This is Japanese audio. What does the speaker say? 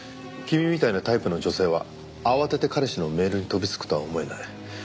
君みたいなタイプの女性は慌てて彼氏のメールに飛びつくとは思えない。